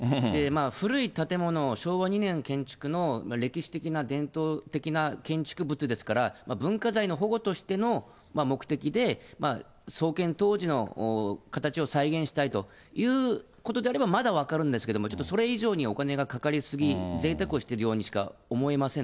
古い建物、昭和２年建築の歴史的な、伝統的な建築物ですから、文化財の保護としての目的で、創建当時の形を再現したいということであれば、まだ分かるんですけど、ちょっとそれ以上にお金がかかり過ぎ、ぜいたくをしているようにしか思えませんね。